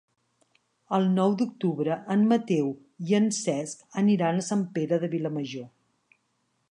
El nou d'octubre en Mateu i en Cesc aniran a Sant Pere de Vilamajor.